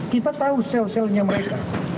kita tahu sel selnya mereka